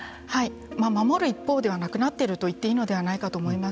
守る一方ではなくなっていると言っていいのではないかと思います。